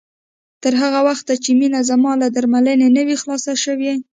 تر هغه وخته چې مينه زما له درملنې نه وي خلاصه شوې